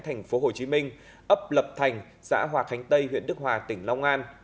thành phố hồ chí minh ấp lập thành xã hòa khánh tây huyện đức hòa tỉnh long an